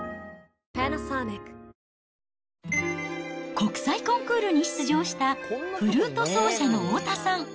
国際コンクールに出場したフルート奏者の太田さん。